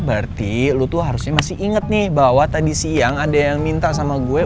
berarti lu tuh harusnya masih inget nih bahwa tadi siang ada yang minta sama gue